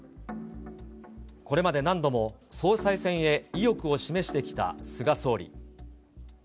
これまで何度も総裁選へ意欲を示してきた菅総理。